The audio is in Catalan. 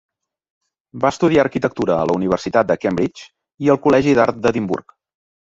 Va estudiar arquitectura a la Universitat de Cambridge i al col·legi d'Art d'Edimburg.